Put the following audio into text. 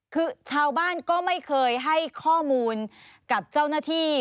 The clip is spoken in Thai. คือชาวบ้านก็ไม่เคยให้ข้อมูลกับเจ้าหน้าที่